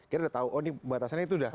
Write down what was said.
kita udah tahu oh ini batasannya itu udah